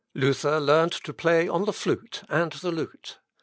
Luther learned to play on the flute and the lute.